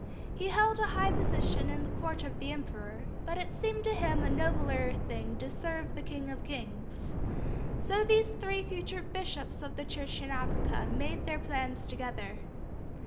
He held a high position at the Court of the Emperor, but it seemed to him a nobler thing to serve the King of kings. So these three future bishops of the Church in Africa made their plans together.